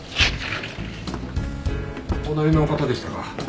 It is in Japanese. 隣の方でしたか。